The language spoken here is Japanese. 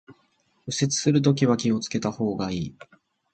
右折するときは気を付けた方がいい